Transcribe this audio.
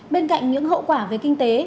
bên cạnh những hậu quả về kinh tế